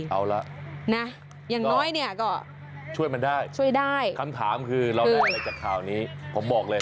เอาละช่วยมันได้คำถามคือเราได้อะไรจากข่าวนี้ผมบอกเลย